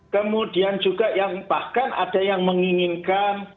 kemudian juga yang bahkan ada yang menginginkan